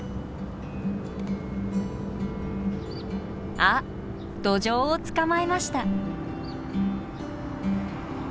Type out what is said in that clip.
あっドジョウを捕まえました。